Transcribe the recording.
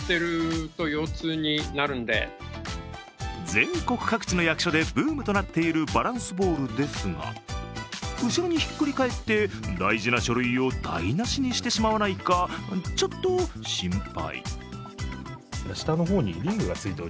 全国各地の役所でブームとなっているバランスボールですが後ろにひっくり返って大事な書類を台なしにしてしまわないかちょっと心配。